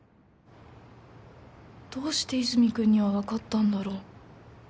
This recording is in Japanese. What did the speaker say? どうして和泉君には分かったんだろう